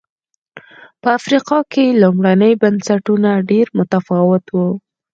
په افریقا کې لومړني بنسټونه ډېر متفاوت و.